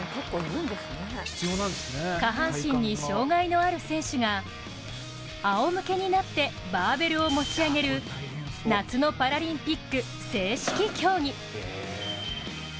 下半身に障がいのある選手があおむけになってバーベルを持ち上げる夏のパラリンピック正式競技。